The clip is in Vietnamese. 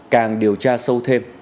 càng điều tra sâu thêm